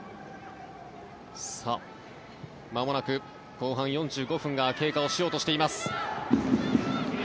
まもなく後半４５分が経過しようとしています。